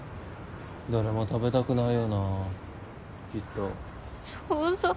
・誰も食べたくないよなきっと。そうそう。